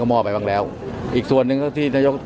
ตราบใดที่ตนยังเป็นนายกอยู่